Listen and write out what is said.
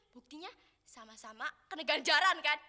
buktinya sama sama kena ganjaran kan